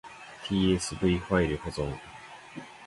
tsv ファイル保存